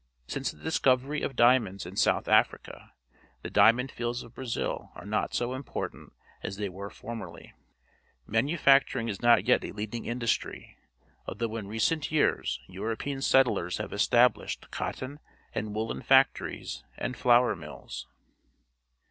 Since the discovery of diamonds in South Africa, the diainond fields of Brazil are no t so importa nt as they were formerly. Manufacturing is not yet a leading indus try, although in recent years European set tlers have established cotton and woollen factories and flour mills.